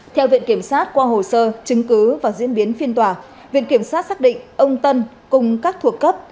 theo viện kiểm sát qua hồ sơ chứng cứ và diễn biến phiên tòa viện kiểm sát xác định ông tân cùng các thuộc cấp